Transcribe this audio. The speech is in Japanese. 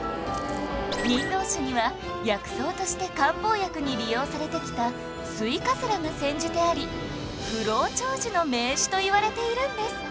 忍冬酒には薬草として漢方薬に利用されてきたスイカズラが煎じてあり不老長寿の銘酒といわれているんです